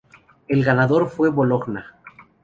El ganador fue el Bologna.